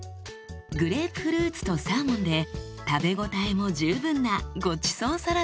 グレープフルーツとサーモンで食べ応えも十分なごちそうサラダです。